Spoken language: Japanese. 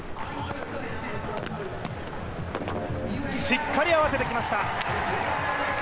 しっかり合わせてきました。